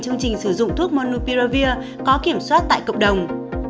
chương trình sử dụng thuốc monupiravir có kiểm soát tại cộng đồng